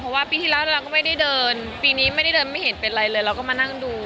เพราะว่าปีที่แล้วเราก็ไม่ได้เดินปีนี้ไม่ได้เดินไม่เห็นเป็นอะไรเลยเราก็มานั่งดู